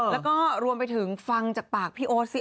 แล้วก็รวมไปถึงฟังจากปากพี่โอ๊ตสิ